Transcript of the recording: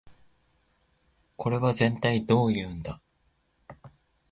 これはぜんたいどういうんだ